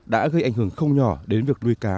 đã gây ảnh hưởng không nhỏ đến việc nuôi cá